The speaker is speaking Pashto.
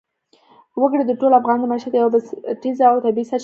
وګړي د ټولو افغانانو د معیشت یوه بنسټیزه او طبیعي سرچینه ده.